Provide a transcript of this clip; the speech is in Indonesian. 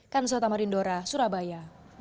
kansel tamarindora surabaya